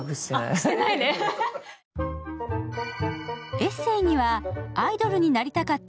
エッセーにはアイドルになりたかった